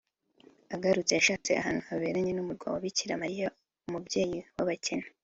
Agarutse yashatse ahantu haberanye n’umurwa wa Bikira Mariya Umubyeyi w’abakene